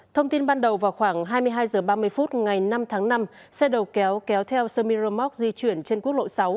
thông tin ban đầu vào khoảng hai mươi hai h ba mươi phút ngày năm tháng năm xe đầu kéo kéo theo semiramoc di chuyển trên quốc lộ sáu